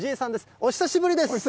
お久しぶりです。